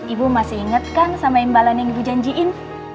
ibu masih ingat kan sama imbalan yang ibu janjiin